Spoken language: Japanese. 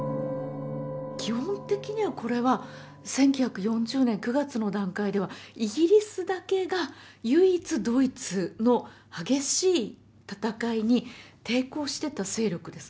基本的にはこれは１９４０年９月の段階ではイギリスだけが唯一ドイツの激しい戦いに抵抗してた勢力です。